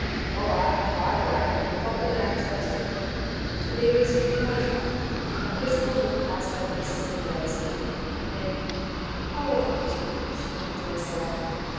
'All right, fire away. We'll drop the marriage question.' 'To be resumed later.' A quizzical look passed over Mrs Gildea's mouth, and then, 'Oh, what a pity!' she muttered to herself.